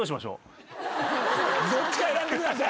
どっちか選んでください。